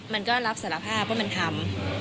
มันก็รับสารภาพว่ามันทำ